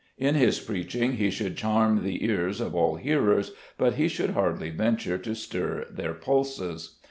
In his preaching he should charm the ears of all hearers, but he should hardly venture to stir their pulses.